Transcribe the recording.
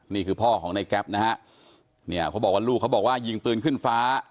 นี่คือพ่อของในแก๊ปนะฮะเนี่ยเขาบอกว่าลูกเขาบอกว่ายิงปืนขึ้นฟ้า